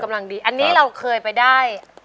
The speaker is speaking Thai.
อันนี้เราเคยไปได้